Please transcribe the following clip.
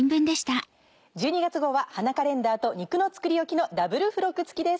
１２月号は花カレンダーと「肉の作りおき」のダブル付録付きです。